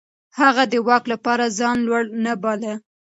هغه د واک لپاره ځان لوړ نه باله.